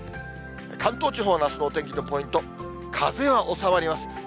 関東地方のあすのお天気のポイント、風は収まります。